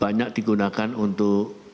banyak digunakan untuk